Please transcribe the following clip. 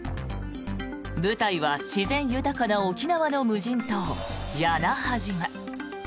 舞台は自然豊かな沖縄の無人島屋那覇島。